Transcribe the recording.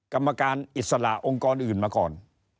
กรรมการอิสระองค์กรอื่นมาก่อน